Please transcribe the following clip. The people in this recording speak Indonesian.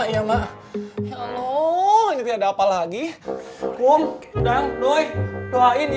ini memalukan ikuti